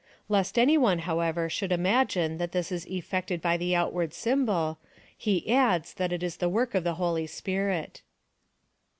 Lest any one, however, should imagine, that this is effected by the outward symbol, he adds that it is the work of the Holy Spirit.